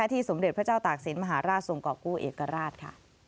ที่สมเด็จพระเจ้าตากศิลป์มหาราชทรงกรกู้เอกราช